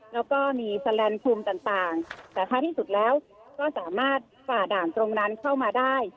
แล้วก็มีแสลนด์ภูมิต่างแต่ท้ายที่สุดแล้วก็สามารถฝ่าด่านตรงนั้นเข้ามาได้